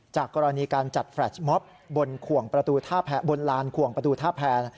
จากกรณีการจัดแฟลชม็อบบนลานข่วงประตูท่าแพ้